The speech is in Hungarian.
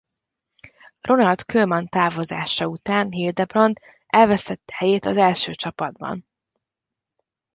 Ronald Koeman távozása után Hildebrand elvesztette helyét az első csapatban.